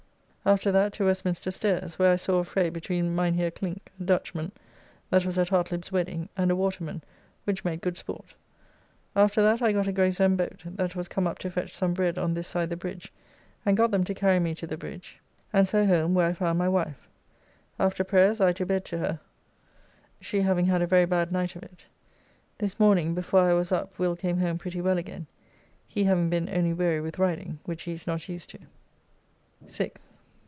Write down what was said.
After that to Westminster stairs, where I saw a fray between Mynheer Clinke, a Dutchman, that was at Hartlibb's wedding, and a waterman, which made good sport. After that I got a Gravesend boat, that was come up to fetch some bread on this side the bridge, and got them to carry me to the bridge, and so home, where I found my wife. After prayers I to bed to her, she having had a very bad night of it. This morning before I was up Will came home pretty well again, he having been only weary with riding, which he is not used to. 6th.